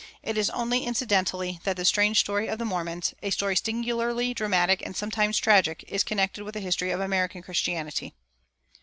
It is only incidentally that the strange story of the Mormons, a story singularly dramatic and sometimes tragic, is connected with the history of American Christianity.